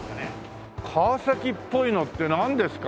川崎っぽいのってなんですか？